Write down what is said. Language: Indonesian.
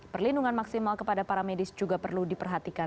perlindungan maksimal kepada para medis juga perlu diperhatikan